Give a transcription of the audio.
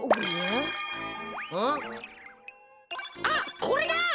あっこれだ！